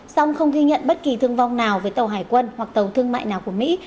song không ghi nhận bất kỳ thương vong nào với tàu hải quân hoặc tàu thương mại nào của mỹ